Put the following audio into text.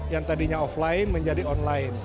yang tadinya offline menjadi online